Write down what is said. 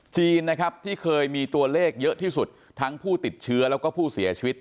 จีนนะครับที่เคยมีตัวเลขเยอะที่สุดทั้งผู้ติดเชื้อแล้วก็ผู้เสียชีวิต